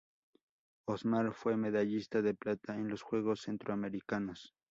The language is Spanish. Osmar fue medallista de plata en los Juegos Centroamericanos.